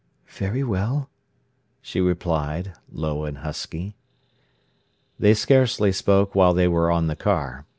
"Very well," she replied, low and husky. They scarcely spoke while they were on the car.